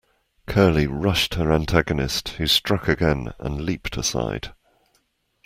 Curly rushed her antagonist, who struck again and leaped aside.